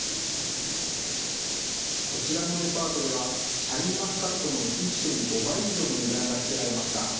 こちらのデパートでは、シャインマスカットの１．５倍以上の値段がつけられました。